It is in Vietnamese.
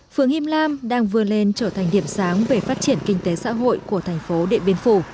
phương him lam đang vừa lên trở thành điểm sáng về phát triển kinh tế xã hội của thành phố điện biên phủ